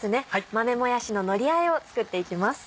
豆もやしののりあえを作っていきます。